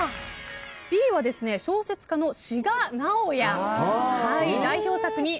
Ｂは小説家の志賀直哉。